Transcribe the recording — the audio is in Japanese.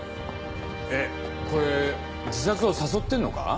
えっこれ自殺を誘ってんのか？